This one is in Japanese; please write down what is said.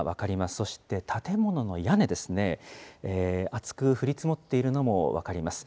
そして建物の屋根ですね、厚く降り積もっているのも分かります。